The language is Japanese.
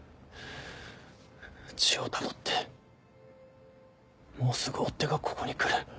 血をたどってもうすぐ追っ手がここに来る。